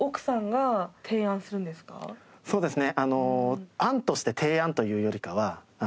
そうですね。